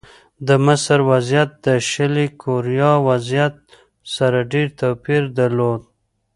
د مصر وضعیت د شلي کوریا وضعیت سره ډېر توپیر درلود.